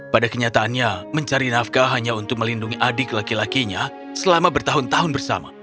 pada kenyataannya mencari nafkah hanya untuk melindungi adik laki lakinya selama bertahun tahun bersama